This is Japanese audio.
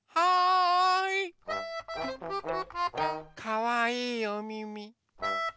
かわいいおみみ。